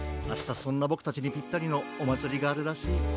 あしたそんなボクたちにぴったりのおまつりがあるらしい。